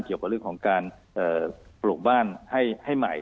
เกี่ยวกับเรื่องของการปลูกบ้านให้ใหม่